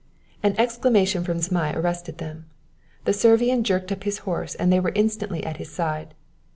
An exclamation from Zmai arrested them. The Servian jerked up his horse and they were instantly at his side.